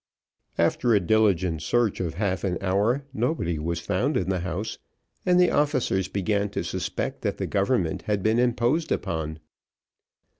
After a diligent search of half an hour, nobody was found in the house, and the officers began to suspect that the government had been imposed upon.